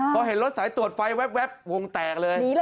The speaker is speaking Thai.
พอเห็นรถสายตรวจไฟแว๊บวงแตกเลย